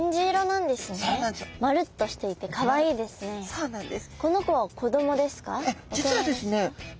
そうなんです。